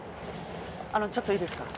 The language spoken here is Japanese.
あのちょっといいですか？